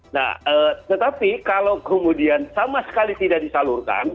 nah tetapi kalau kemudian sama sekali tidak disalurkan